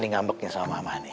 ngambeknya sama mama nih